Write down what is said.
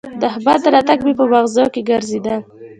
د احمد راتګ مې به مغزو کې ګرځېدل